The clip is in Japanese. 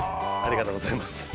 ありがとうございます。